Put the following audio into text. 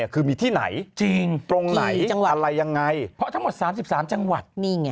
คือมีที่ไหนตรงไหนอะไรยังไงเพราะทั้งหมด๓๓จังหวัด